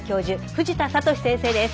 藤田聡先生です。